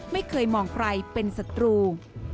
ไม่เคยมองใครเป็นศัตรู